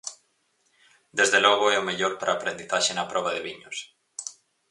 Desde logo é o mellor para a aprendizaxe na proba de viños.